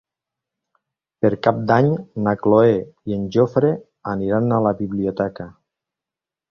Per Cap d'Any na Cloè i en Jofre aniran a la biblioteca.